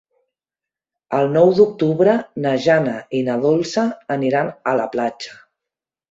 El nou d'octubre na Jana i na Dolça aniran a la platja.